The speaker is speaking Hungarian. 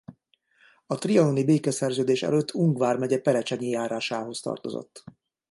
A trianoni békeszerződés előtt Ung vármegye Perecsenyi járásához tartozott.